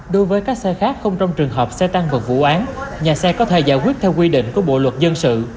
đối với các xe khác không trong trường hợp xe tan vật vụ án nhà xe có thể giải quyết theo quy định của bộ luật dân sự